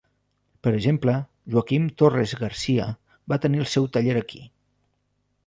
Per exemple, Joaquim Torres-Garcia va tenir el seu taller aquí.